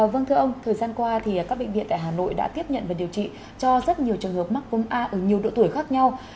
vâng thưa ông thời gian qua thì các bệnh viện tại hà nội đã tiếp nhận và điều trị cho rất nhiều trường hợp mắc cúm a ở nhiều độ tuổi khác nhau